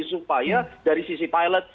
supaya dari sisi pilot